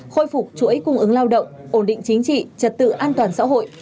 khôi phục chuỗi cung ứng lao động ổn định chính trị trật tự an toàn xã hội